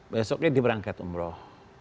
besoknya diberangkat umroh